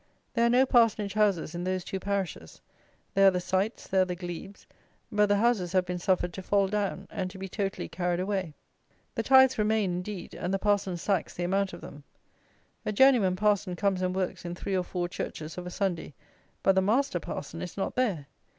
There are no parsonage houses in those two parishes: there are the scites; there are the glebes; but the houses have been suffered to fall down and to be totally carried away. The tithes remain, indeed, and the parson sacks the amount of them. A journeyman parson comes and works in three or four churches of a Sunday; but the master parson is not there.